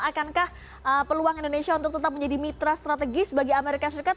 akankah peluang indonesia untuk tetap menjadi mitra strategis bagi amerika serikat